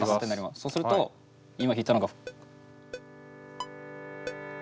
そうすると今弾いたのが。